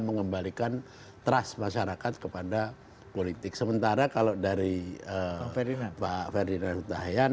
mengembalikan trust masyarakat kepada politik sementara kalau dari pak ferdinand hutahian